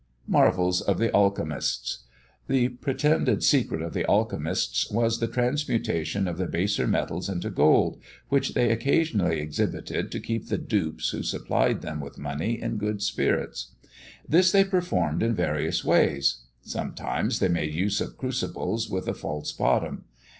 MARVELS OF THE ALCHEMISTS. The pretended secret of the Alchemists was the transmutation of the baser metals into gold, which they occasionally exhibited to keep the dupes who supplied them with money in good spirits. This they performed in various ways. Sometimes they made use of crucibles with a false bottom.